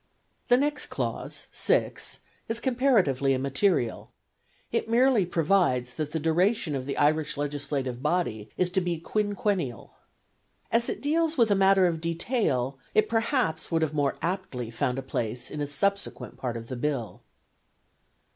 The next clause (6) is comparatively immaterial; it merely provides that the duration of the Irish legislative body is to be quinquennial. As it deals with a matter of detail, it perhaps would have more aptly found a place in a subsequent part of the Bill.